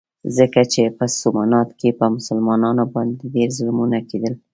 ځکه چې په سومنات کې په مسلمانانو باندې ډېر ظلمونه کېدل.